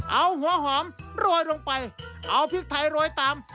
เอาหัวหอมโรยลงไปเอาพริกไทยโรยตาม